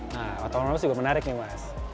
nah otonomis juga menarik nih mas